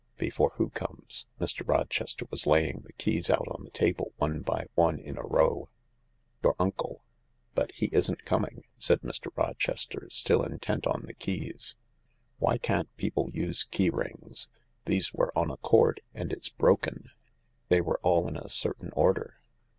" Before who comes ?" Mr. Rochester was laying the keys out on the table, one by one, in a row. " Your uncle." " But he isn't coming," said Mr. Rochester, still intent on the keys. "Why can't people use key rings ? These were on a cord, and it's broken. They were all in a certain order.